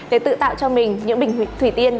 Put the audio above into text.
để tự tạo cho mình những bình thủy tiên